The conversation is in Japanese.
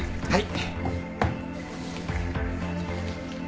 はい。